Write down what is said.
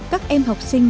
các em học sinh